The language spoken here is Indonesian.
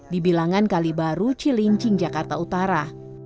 di bilangan kalibaru cilincing jakarta utara